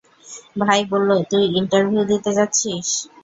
ভাই বললো তুই ইন্টারভিউ দিতে যাচ্ছিস।